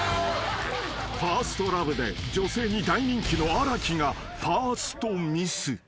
［『ＦｉｒｓｔＬｏｖｅ』で女性に大人気の荒木がファーストミス］